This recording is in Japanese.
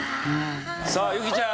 さあ由紀ちゃん。